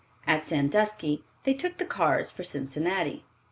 At Sandusky they took the cars for Cincinnati.